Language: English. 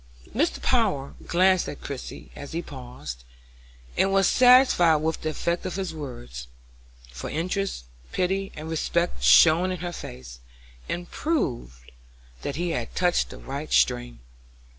Mr. Power glanced at Christie as he paused, and was satisfied with the effect of his words, for interest, pity, and respect shone in her face, and proved that he had touched the right string.